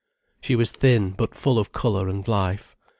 She was thin but full of colour and life.